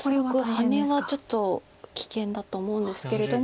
ハネはちょっと危険だと思うんですけれども。